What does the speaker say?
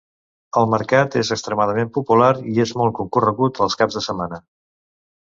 El mercat és extremadament popular i és molt concorregut els caps de setmana.